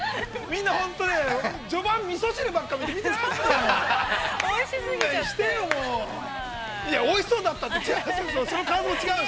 みんな本当に、序盤、みそ汁ばっか見て見てなかったでしょう。